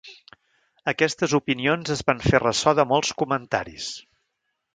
Aquestes opinions es van fer ressò de molts comentaris.